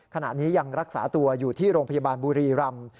ขณะนี้ยังรักษาตัวอยู่ที่โรงพยาบาลบุรีรำ